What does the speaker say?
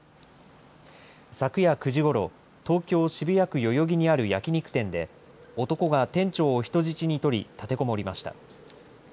昨夜９時ごろ、東京・渋谷区代々木にある焼き肉店で、男が店長を人質に取り、立てこもりました。